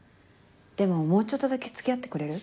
でももうちょっとだけ付き合ってくれる？